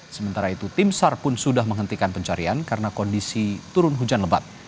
sementara itu tim sar pun sudah menghentikan pencarian karena kondisi turun hujan lebat